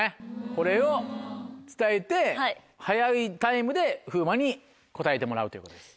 これを伝えて早いタイムで風磨に答えてもらうということで。